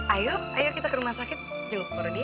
ayo ayo kita ke rumah sakit jenguk porodia